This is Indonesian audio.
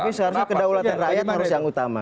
tapi seharusnya kedaulatan rakyat harus yang utama